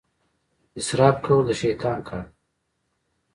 اسراف کول د شیطان کار دی.